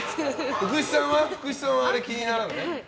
福地さんはあれ気にならない？